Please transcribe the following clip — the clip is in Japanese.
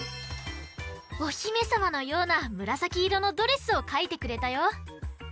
おひめさまのようなむらさきいろのドレスをかいてくれたよ。